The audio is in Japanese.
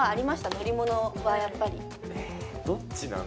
乗り物はやっぱりどっちなの？